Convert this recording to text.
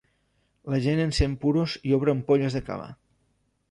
La gent encén puros i obre ampolles de cava.